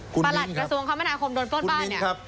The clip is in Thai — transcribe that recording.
ประหลัดกระทรวงคมนาคมโดนปล้นบ้านเนี่ย